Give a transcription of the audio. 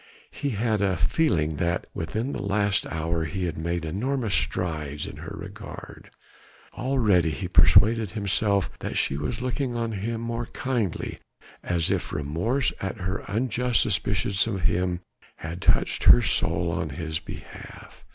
He had a feeling that within the last half hour he had made enormous strides in her regard. Already he persuaded himself that she was looking on him more kindly, as if remorse at her unjust suspicions of him had touched her soul on his behalf.